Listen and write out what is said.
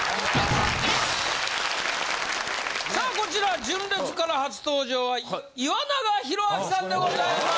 さあこちら純烈から初登場は岩永洋昭さんでございます。